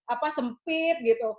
apa sempit gitu